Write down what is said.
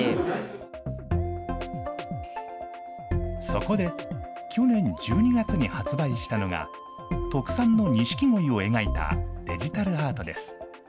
そこで、去年１２月に発売したのが特産のニシキゴイを描いたデジタルアートです。